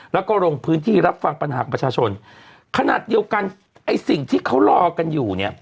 แล้วก็ลงพื้นที่รับฟังปัญหาของประชาชนขนาดเดียวกันไอ้สิ่งที่เขารอกันอยู่เนี่ย